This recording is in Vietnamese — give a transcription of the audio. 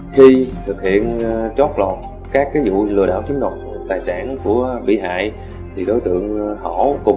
khi thực hiện trót lọt các cái vụ lừa đảo chính đồng tài sản của bị hại thì đối tượng họ cùng